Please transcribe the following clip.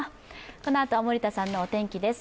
このあとは森田さんの天気です。